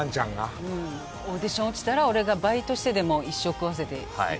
うんオーディション落ちたら俺がバイトしてでも一生食わせて。